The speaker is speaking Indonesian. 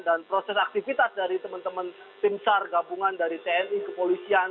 dan proses aktivitas dari teman teman tim sar gabungan dari tni ke polisian